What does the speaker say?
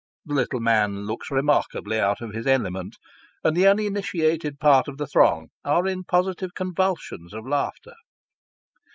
The little man looks remarkably out of his element, and the uninitiated part of the throng are in positive convulsions of laughter.